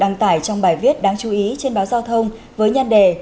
đăng tải trong bài viết đáng chú ý trên báo giao thông với nhan đề